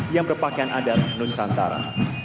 yang berpakaian adat nusantara